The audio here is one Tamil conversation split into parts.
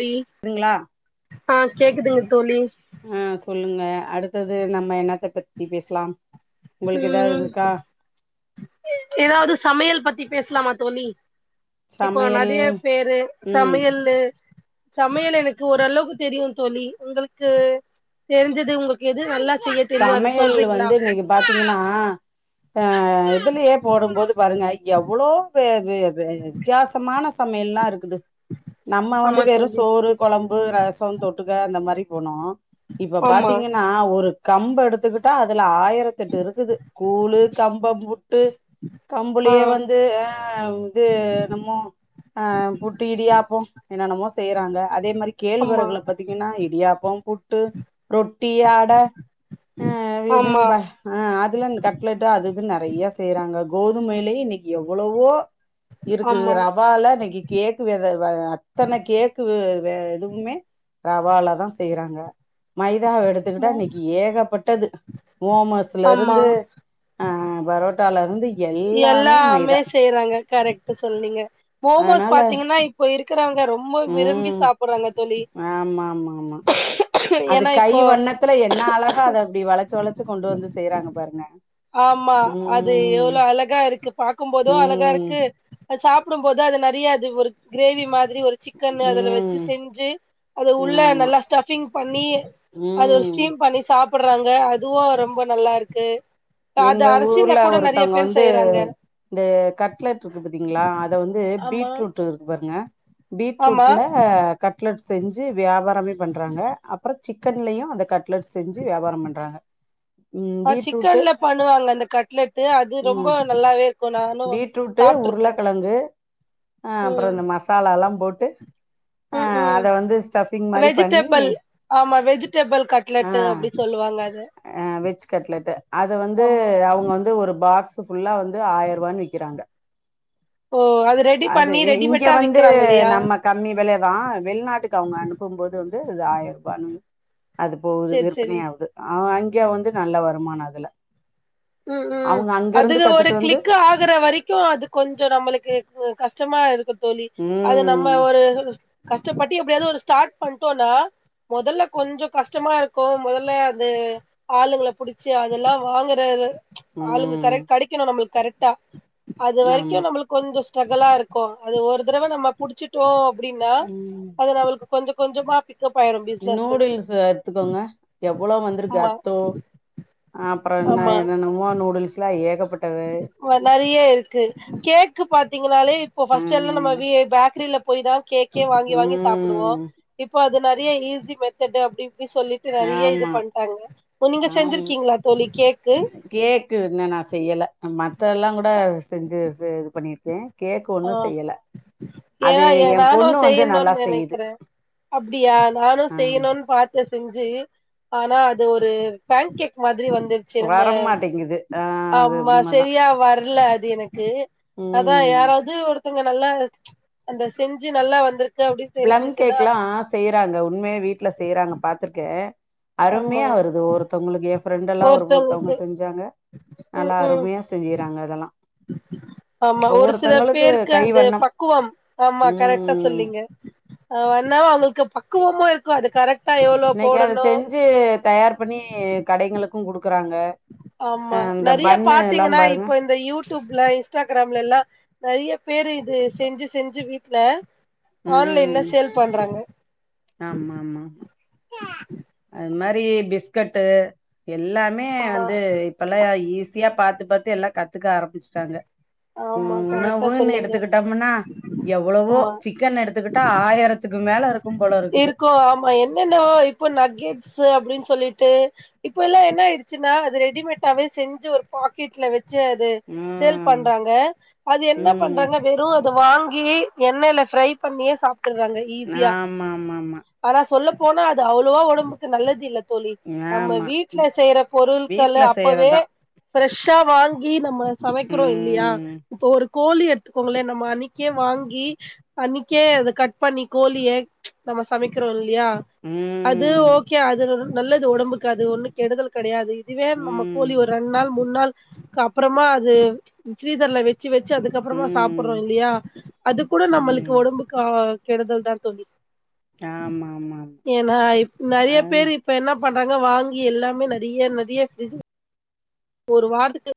ழி ரிங்ளா ஆ கேக்குதுங்க தோழி ஆ சொல்லுங்க அடுத்தது நம்ம என்னத்த பத்தி பேசலாம் உங்களுக்கு ஏதாவது ம் இருக்கா ஏதாவது சமையல் பத்தி பேசலாமா தோழி இப்போ சமையல் நறைய பேரு ம் சமையல்லு சமையல் எனக்கு ஓரளவுக்கு தெரியும் தோழி உங்களுக்கு தெரிஞ்சது உங்களுக்கு எது நல்லா செய்ய தெரியு அது சமையல் சொல்றீங்களா வந்து இன்னைக்கு பாத்தீங்கன்னா ஆ இதுலயே போடும்போது பாருங்க எவ்ளோ பே வெ வெ வெ வித்தியாசமான சம் மே ல்லாருக்குது நம்ம வந்து ஆமா வெறு தோழி சோறு கொழம்பு ரசம் தொட்டுக்க அந்த மாரி போனோ இப்ப ஆமா பாத்தீங்கன்னா ஒரு கம்ப எடுத்துக்குட்டா அத ல்ல ஆயிரத்தெட்டு இருக்குது கூளு கம்பம் புட்டு ஆ கம்புளியே வந்து ஆ இது நம்மோ ஆ புட்டு இடியாப்போ என்னென்னமோ செய்றாங் ல அதே மாரி ஆமா கேழ்வறகுள பாத்தீங்கன்னா இடியாப்பம், புட்டு, ரொட்டி, அட ஆ அது ஆமா எதுன்பா அ அதுலா இந் கட்லட்டு அது ட்டது நறைய செய்றாங்க கோதுமையிலயே இன்னிக்கி எவ்வளவோ இருக்குது ஆமா ரவால இன்னக்கி கேக்கு வெத வ அத்தன கேக்கு வ வே எதுவுமே ரவால தா செய்றாங்க மைதாவ எடுத்துக்குட்டா நீ ஏகப்பட்டது ஓமஸ்ல ஆமா ருந்து ஆஹ பரோட்டால ருந்து எல்லாமே செய்றாங்க கரெக்ட்டா சொன்னீங்க மோமோஸ் அதனால பாத்தீங்கன்னா இப்போ இருக்கிற ரொம்ப விரும்பி ம் சாப்புட்றாங்க தோழி ஆமா ஆமா ஆமா அது ஏன்னா கை இப்போ வண்ணத்துல என்ன அழகா அத அப்டி வளச்சு வளச்சு கொண்டு வந்து செய்றாங்க பாருங்க ஆமா அது ம் எவ்ளோஅழகா ருக்கு பாக்கும்போது அழகா ம் ருக்கு சாப்புடும் போது அது நெறையா அது ஒரு கிரேவி மாரி ஒரு சிக்கன் அதுல வச்சு ம் செஞ்சு அது உள்ள ஆமா நல்லா ஸ்டபிங் பண்ணி அது ஒரு ம் ஸ்டீம் பண்ணி சாப்பிடுறாங்க அதுவும் ரொம்ப நல்லா ருக்கு எங்க ஊர்ல ஒருத்தங்க வந்து செய்றாங்க இந்த கட்லெட் இருக்கு பாத்தீங்களா அத வந்து ஆமா பீட்ரூட் இருக்கு பாருங்க ஆமா பீட்ரூட்ல கட்லெட் செஞ்சு வியாபாரமே பண்றாங்க அப்புறம் சிக்கன்லயும் அந்த கட்லட் செஞ்சு வியாபாரம் பண்றாங்க ஆ பீட்ரூட்டு சிக்கன்ல பண்ணுவாங்க அந்த கட்லெட் அது ரொம்ப நல்லாவே இருக்கு நானு பீட்ரூட்டு் சாப்ட்ருக்கே உருளக்கெழங்கு அஹ் அப்புறம் ம் இந்த மசாலா லாம் போட்டு ம் ஆஹ் ம் அத வந்து ஸ்டபிங் மாரி பண்ணி வெஜிடபிள் ஆமா வெஜிடபிள் கட்லெட்டு ஆஹ் அப்டி சொல்லுவாங்க அத அஹ வெஜ் கட்லெட்டு அத வந்து ஆமா அவங்க வந்து ஒரு பாக்ஸ் புல்லா வந்து ஆயிரூவான்னு விக்கிறாங்க ஓ ரெடி அது பண்ணி இங்க ரெடிமேட்டா வந்து விக்கிறாங்க இல்லையா நம்ம கம்மி வெலதா வெளிநாட்டுக்கு அவங்க அனுப்பும் போது வந்து ஆயிர் ரூவனு அது போகுது சேரி சேரி விற்பனையாவுது அஆ வந்து நல்ல வருமான அதுல உம் உம் அவுங்க அங்க இருந்து அதுக ஒரு கத்துட்டு வந்து கிளிக்கு ஆகுற வரைக்கு அது கொஞ்ச நம்மளுக்கு கஷ்டமா இருக்க தோழி அது நம்ம ம் ஒரு கஷ்டப்பட்டு எப்படியாவது ஒரு ஸ்டார்ட் பண்ணிட்டோம்னா முதல்ல கொஞ்சோ கஷ்டமா இருக்கு முதல்ல அது ஆளுகள புடுச்சு அதெல்லாம் வாங்குறரு ஆளுங்க ம் கரெக் கெடைக்கணு நம்மளுக்கு கரெக்டா அது வரைக்கு ஆமா நம்மளுக்கு கொஞ்சொ ஸ்ட்ரகலா ருக்கு அது ஒரு தடவ நம்ம புடிச்சிட்டோ அப்டின்னா ம் அது நம்மளுக்கு கொஞ்ச கொஞ்சமா பிக்கப் ஆயிரு பிசினஸ் நூடுல்ஸ் எடுத்துக்கோங்க எவ்வளவ் வந்திருக்கு ஆமா அத்தோ அப்புற என்ன ஆமா என்னன்னமோ நூடுல்ஸ் ல்லாம் ஏகப்பட்டது நெறைய இருக்கு கேக்கு பாத்தீங்கன்னாலே இப்போ பஸ்ட்டெல்லா நம்ம ம் பேக்கரில போய் தா கேக்கே வாங்கி வாங்கி சாப்பிடுவோ ம் இப்போ அது நெறைய ஈஸி மெத்தடு அப்டி அப்ப சொல்லிட்டு நிறைய இது ஆமா பண்ட்டாங்க உ நீங்க ஆம் செஞ்சிருக்கீங்களா தோலி கேக்கு கேக்கு இன்னு நா செய்யல மத்தெல்லா கூட செஞ்சு இது பண்ணிருக்கே கேக்கு ஆ ஒண்ணு செய்யல அது ஏன்னா ஏ எ நானு பொண்ணு வந்து நல்லா செய்யணும்னு செய்யுது நினைக்கிறே அப்டியா நானு ஆ செய்யணும்னு பாக் செஞ்சு ஆனா அது ஒரு பேன் கேக் மாதிரி வந்துருச்சு நம்ம வரமாட்டேங்குது ஆ அது ஆமா உண்மதா சரியா வரல அது எனக்கு அதா ம் யாராவது ஒருத்தங்க நல்லா ம்ச் அந்த செஞ்சு நல்லா வந்து பிளம் கேக் எல்லா செய்யறாங்க உண்மைய வீட்டுல செய்யறாங்க பாத்துருக்கே ஆமா அருமையா வருது ஒருத்தவங்களுக்கு ஏ ஃப்ரெண்ட எல்லா ஒருத்தவங்க ஒருத்தவங்களுக்கு செஞ்சாங்க ம் நல்லா ம் அருமையா செய்றாங்க அதெல்லா ஆமா ஒரு சில ஒவ்வொருத்தங்களுக்கு பேருக்கு கை அந்த வண்ணம் பக்குவம் ஆமா கரெக்டா ம் சொல்லீங்க வண்ணாவு அவங்களுக்கு பக்குவமு இருக்கு அது கரெக்ட் இன்னைக்கு அத செஞ்சு தயார் பண்ணி கடைகளுக்கு குடுக்குறாங்க ஆமா அஹ் இந்த நெறைய பன்னு எல்லா பாத்தீங்கன்னா பாருங்க இப்ப இந்த யூடியூப்ல இன்ஸ்டாகிராம் ல்லாம் நெறைய பேரு இது செஞ்சு செஞ்சு வீட்டுல ஆன்லைன்ல ம் சேல் பண்றாங்க ஆமா ஆமா அது மாதிரி பிஸ்கட்டு் எல்லாமே ஆமா வந்து இப்பல்லா ஈஸியா பாத்து அது பாத்து எல்லா கத்துக்க ஆரம்பிச்சுட்டாங்க உ ஆமா கரெக்டா உணவுன்னு சொன்னீங்க எடுத்துக்கிட்டோம்னா எவ்வளவோ ஆமா சிக்கன் எடுத்துக்கிட்டா ஆயிரத்துக்கு மேல இருக்கு போல இருக்குது கிஃப்ட்ஸ் அப்டின்னு சொல்லிட்டு இப்ப எல்லா என்ன ஆயிடுச்சுன்னா அது ரெடிமேட்டாவே செஞ்சு ஒரு பாக்கெட்ல வச் ஞ்சு அது சேல் ம் பண்றாங்க அது என்ன ம் பண்றாங்க வெறும் அ வாங்கி எண்ணெய்ல ஃப்ரைரை பண்ணியே சாப்டுறாங்க ஈஸியா ஆமா ஆமா ஆமா ஆனா சொல்ல போனா அது அவ்ளோவா உடம்புக்கு நல்லது இல்ல தோழி நம்ம ஆமா வீட்டுல செய்ற பொருட்கள் வீட்ல அப்பவே செய்யறதா ஃப்ரெஷ்ஷா வாங்கி நம்ம சமைக்கிறோ இல்லையா ம் இப்ப ஒரு கோழி எடுத்துக்கோங்களே நம்ம அன்னைிக்கே வாங்கி அன்னைக்கே அத கட் பண்ணி கோழிய ம்ச் நாம சமைக்றோ யா அது ம் ஓகே அது நல்லது உடம்புக்கது ஒண்ணும் கெடுதல் கிடையாது அதுவே நம்ம ம் கோழி ஒரு ரெண்நாள் மூண் நாள்க்கு அப்புறமா அது ஃபீரீசர்ல வச்ச வச்ச வச்சு அதுக்கப்புறமா ம் சாப்பிடுறோ இல்லையா அது கூட நம்மளுக்கு ம் உடம்புக்கு ஆகா கெடுதல் தா தோழி ஆமா ஆமா ஏன்னா இப் நெறய ஆமா அ பேரு இப்ப என்ன பண்றாங்க வாங்கி எல்லாமே நெறய நெறய ஃப்ரிட்ஜ் ஒரு வார்டுக்கு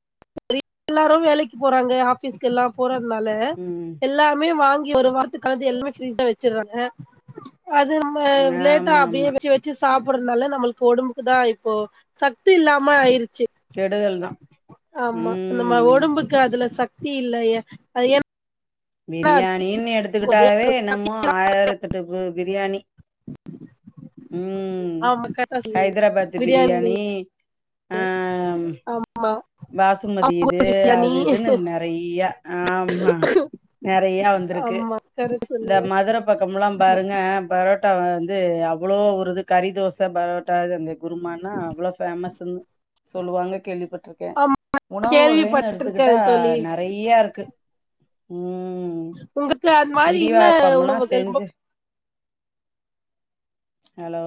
எல்லாரும் வேலைக்கு போறாங்க ஆபீஸ்க்க எல்லாம் போற [inaudible] னால ம் எல்லாமே வாங்கி ஒரு வாரத்துக்கலந்து எல்லாமே ஃபிரிசா வச்சடுறாங்க அது ம லேட்டா ஆமா அப்டியே ஆமா வச்சு வச்சு சாப்பறதுனால நம்மளுக்கு ஒடம்புக்கு தா இப்போ சக்தி இல்லாம ஆயிருச்சு கெடுதல் தா ஆமா அந்த மா ம் ஒடம்புக்கு அதுல சக்தி இல்லைய அது ஏ பிரியாணின்னு எடுத்துக்கிட்டாவே சக்தி என்னமோ ஆயிரத்தெட்டு பிரியாணி ம் ஆமா கரட்ட சொன்னிங்க பிரியாணி ஆ தெ அப் பாசுமதி இது அது இதுன்னு நெறய ஆமா நெறையா வந்திருக்கு ஆமா கரெக்ட் இந்த சொன்னீங்க மதுர பக்கமல்லா பாருங்க பரோட்டா வந்து அவ்வளோ ஒருது கறி தோசை பரோட்டா அந்த குருமன்னா அவ்வளோ ஃபேமஸ் சொல்லுவாங்க கேள்விப்பட் ருக்கே ஆமா உணவு வகைன்னு கேள்விப்பட்டிருக்கே எடுத்துக்கிட்டா தோழி நெறைய இருக்கு உம் உம் உங்களுக்கு அந்த மாரி என்ன இடியாப்பம் உணவுகள் ரொம்ப செஞ்சு ஹலோ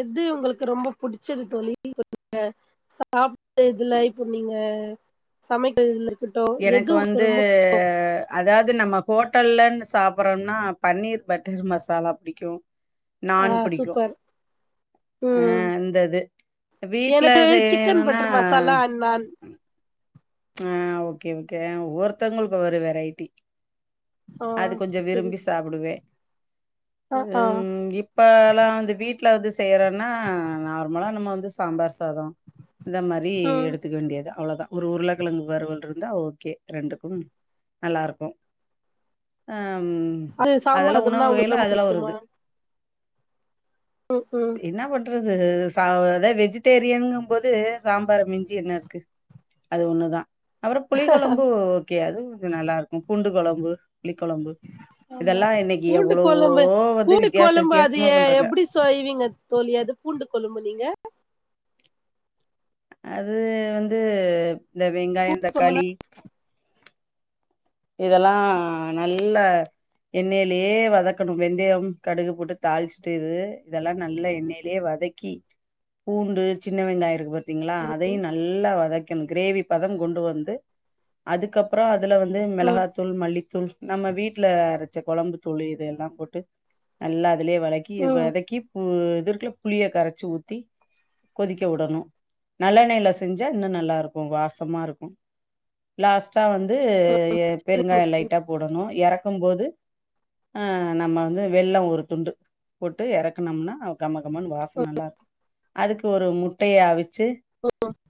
எது உங்களுக்கு ரொம்ப புிடிச்சது தோழி சாப்டு இதுல இப்போ நீங்க சமைக்க எனக்கு வந்து அதாவது நம்ம ஹோட்டல்லன்னு சாப்றோம்னா பன்னீர் பட்டர் மசாலா புடிக்கும் நான் ஆ புடிக்கும் சூப்பர் ம் ஆஹ் அந்தது வீட்ல எனக்கு செய்ய சிக்கன் என்னன்னா பட்டர் மசாலா அண்ட் நான் ஆஹ் ஓக்கே ஓகே ஆஹ் ஒரூத்தவங்களுக்கு ஒரு வெரைட்டி அது ஆ கொஞ்சம் செரி விரும்பி சாப்பிடுவே ஆ ஆ உம் இப்பல்லாம் வந்து வீட் வீட்ல வந்து செய்யறோன்னா நார்மலா நம்ம வந்து சாம்பார் சாதம் இந்த மாதிரி ம் எடுத்துக்க வேண்டியது அவ்வளோதா ஒரு உருள்ள ளுக்கு வரூவல் இருந்தா ஓகே ரெண்டுக்கும் நல்லா இருக்கும் அஹ்ம் அது சாம்பார் அதெல்லா உணவு சாதம்னா அவங்களுக்கு வகய்ல ரொம்ப அதெல்லா ஒரு இது உம் ஹூம் ன்னதூ சா வூ இது வெஜிடேரியன்னூம் போதுஹூ சாம்பார் மிஞ்சி என்னாருக்கு அது ஒண்ணு தான் அப்புறம் புளி கொலம்பு ஓக்கே அது கொஞ்சோ நல்லா இருக்கும் பூண்டு கொலம்பு புளி கொலம்பு ஆம்மா பூண்டு கொளூம்பு வந்து பூண்டு வித்தியாச கொளூம்பு அது வித்தியாசமா பண்றாங்க. எப்டி ஏஹ் சொய்வீங்க தோழி அதூ பூண்டு கொளம்பூன்னு நீங்க அது வந்து இந்த வெங்காயம் ரொம்ப தக்காளி நாள் இதெல்லா நல்ல எண்ணெயிலேயே வதக்கணும் வெந்தயம் கடுகு போட்டு தாளிச்சுட்டு இது இதெல்லா நல்ல எண்ணெயிலயே வதக் வதக்கி பூண்டு சின்ன வெங்காய இருக்கு பார் த்திங்ளா சரி அதையு நல்லா வதக்கின் க்ரேவி பத கொண்டு வந்து அதுக்கப்புற அதுல வந் து மெளகா ம் தூள் மல்லி தூள் நம்ம வீட்ல அரைச்ச கொழம்பு தூளு இதெல்லா போட்டு நல்லா இதுலயே வளக்கி ம் வதக்கி ம் இது இருக்குல புளிய கரைச்சி ஊத்தி கொதிக்க வுடணு நல்லெண்ணைல செஞ்சா இன்னு நல்லா இருக்கு வாசமா இருக்கு லாஸ்டா வந்து பெருங்காய லைட்டா போடணு எறக்கும் போது ஆ நம்ம வந்து வெல்ல ஒரு துண்டு போட்டு எறக்குனம்னா கம கமன் வாச நல்லாருக்கு அதுக்கு ஒரு முட்டய அவிச்சு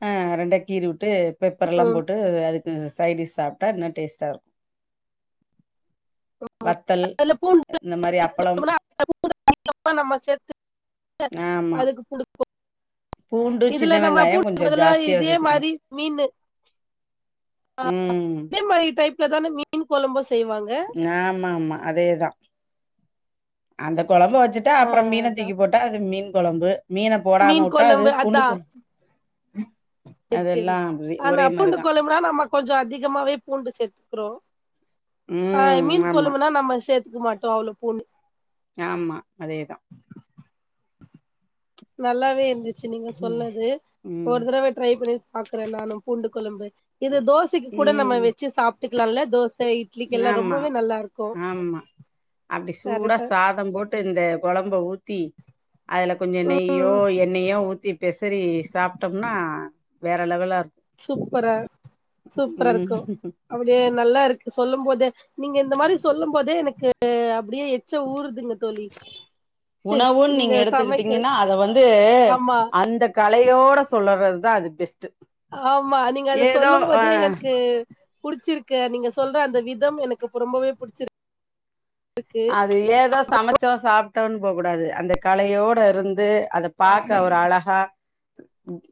அ ரெண்டா கீறி வுட் டு பெப்பரெல்லா போட்டு அதுக்கு சைடிஸ் சாப்ட்டா இன்னொ டேஸ்ட்டா இருக் வத்தல் அதுல இந்த மாரி அப்பளம் அதுக்கப்ற நம்ம சேத்து ஆமா அதுக்கு குடு பூண்டு சின்ன இதுல நம்ம வெங்காயோ பூண்டுக்கு கொஞ்சோ பதலா ஜாஸ்தியா இதே சேத்துக்கணு மாரி மீனு ம் இப்டிதான மீன் கொழம்பு செ ஆமாமா அதேதா அந்த கொழம்ப வச்சுட்டா ஆ அப்பற மீன அதா தூக்கி போட்டா அது மீன் கொழம்பு மீன போடாம மீன் வுட்டா அது கொழம்பு பூண்டு கொழம் செர் செரி ஆனா ஒரே பூண்டு மாரிதா கொழம்புனா நம்ம கொஞ்ச அதிகமாவே பூண்டு சேத்துக்றோ ஆ ம் மீன் ஆமா கொழும்புனா நம்ம சேத்துக்க மாட்டோ அவ்ளோ பூண்டு ஆமா அதேதா நல்லாவே இருந்து ச்சு நீங்க ம் சொன்னது ம் ஒரு தடவ ட்ரை பண்ணி பாக்குறே நானு பூண்டு கொழும்பு இது தோசைக்கு கூட நம்ம ம் வச்சு சாப்ட்டுக்கலால தோச இட் இட்லிக்கெலா ஆமா ரொம்பவே நல்லாருக்கு ஆமா அப்டி கரட்டு ம்ப ஊத்தி அதுல கொஞ்ச நெய்யோ எண்ணெயோ ஊத்தி பெசறி சாப்ட்டம்னா வேற லெவலா இருக் சூப்பரா சூப்பர ம் இருக்கு அப்டியே நல்லாருக் சொல்லும் போதே நீங்க இந்த மாரி சொல்லும் போதே எனக்கு அப்டியே எச்ச ஊறுதுங்க தோழி உணவுன் நீங்க எடுத்துக்கிட்டிங்கனா அத வந்து ஆமா அந்த கலையோட சொல்லறது தா அது பெஸ்ட்டு ஆமா நீங்க அத ஏதோ சொல்லும் அ போதே எனக்கு புடிச்சிருக்கு நீங்க சொல்ற அந்த விதம் எனக்கு ப ரொம்பவே புடிச்சிருக் அது ஏதோ சமைச்சோ சாப்டோன் போக கூடாது அந்த கலையோட இருந்து அத பாக்க ஒரு அழகா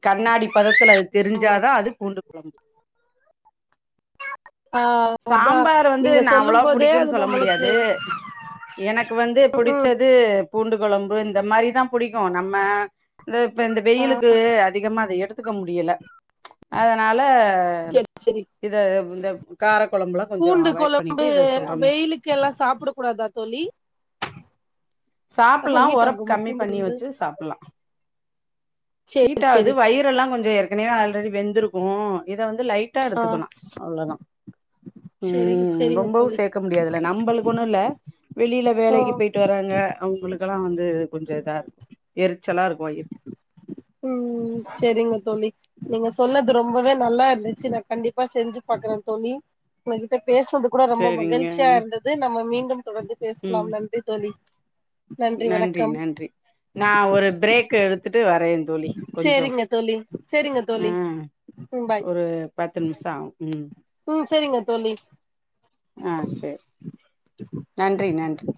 கண்ணாடி பதத்துல அது ஆமா தெரிஞ்சாதா அது பூண்டு கொழம்பு ஆ அதா சாம்பார் வந்து நீங்க நா சொல்லும் அவ்ளவ போதே அது புடிக்குன் சொல்ல நம்மளுக்கு முடியாது எனக்கு வந்து புடிச்சது பூண்டு கொழம்பு இந்த மாரி தா புடிக்கு நம்ம இந்த இப்ப இந்த வெயிலுக்கு அதிகமா அத எடுத் துக்க முடியல அதனால செரி செரி இத இந்த கார கொழம்புலா கொஞ்சோ பூண்டு அவாய்ட் கொழம்பு பண்ணிட்டு இத சொல்ற வெயிலுக்கு எல்லா சாப்ட கூடாதா தோழி ரொம்ப சாப்பல்லா ஹீட் ஒறப்பு ஆகுமா கமி பூண்டு பண்ணி குழம்பு வச்சி சாப்புல்லா சேரி ஹீட் ஆவுது சேரி வயிறெலா கொஞ்சோ ஏற்கனவே ஆல்ரெடி வெந்துருக்கு இத வந்து லைட்டா ஆ எடுத்துக்கலா அவ்ளதா சேரிங்க ம் சேரிங்க ரொம்பவு தோழி சேக்க முடியாதுல நம்பளுக்கு ஒன்னு இல்ல வெளில ஆ வேலைக்கு போய்ட்டு வராங்க அவுங்ளுக்கெலா வந்து கொஞ்சோ இதாருக்கு எதுக் ம் செரிங்க தோழி நீங்க சொன்னது ரொம்பவே நல்லா இருந்துச்சி நா கண்டிப்பா செஞ்சு பாக்குற தோழி உங்ககிட்ட பேசுனது கூட ரொம்ப சேரிங்க மகிழ்ச்சியா இருந்தது நம்ம மீண்டும் தொடர்ந்து ம் பேசலாம் நன்றி தோழி நன்றி நன்றி நா ஒரு பிரேக்கெடுத் துட்டு வரேன் தோழி கொஞ்சோம் சேரிங்க தோழி சேரிங்க தோழி அஹ் ம் பாய் ஒரு பத்து நிம்ஷோ ஆவு ம் ம் சேரிங்க தோழி அஹ் செரி நன்றி நன்றி